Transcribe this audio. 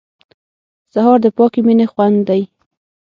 سهار د پاکې مینې خوند دی.